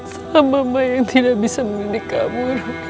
salah mama yang tidak bisa memiliki kamu